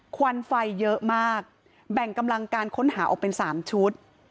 ควันไฟเยอะมากแบ่งกำลังการค้นหาออกเป็น๓ชุด